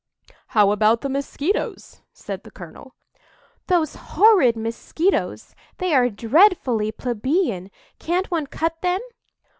"How about the Mosquitoes!" said the colonel. "Those horrid Mosquitoes—they are dreadfully plebeian! Can't one cut them?"